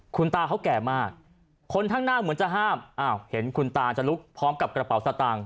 คุณตาเขาแก่มากคนข้างหน้าเหมือนจะห้ามอ้าวเห็นคุณตาจะลุกพร้อมกับกระเป๋าสตางค